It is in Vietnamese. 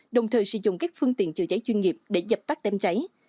đồng thời sử dụng các phương tiện chữa cháy chuyên nghiệp để dập tắt đám cháy